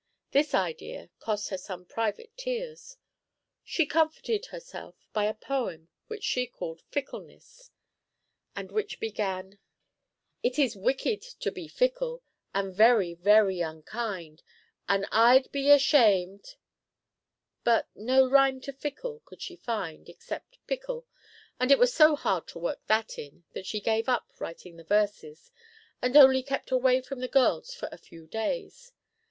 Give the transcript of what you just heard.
This idea cost her some private tears; she comforted herself by a poem which she called "Fickleness," and which began: "It is wicked to be fickle, And very, very unkind, And I'd be ashamed" but no rhyme to fickle could she find except "pickle," and it was so hard to work that in, that she gave up writing the verses, and only kept away from the girls for a few days.